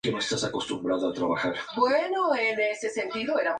La consideración de dicho privilegio podía ser pública.